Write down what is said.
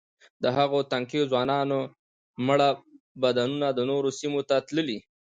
د هغو تنکیو ځوانانو مړه بدنونه د نورو سیمو ته تللي.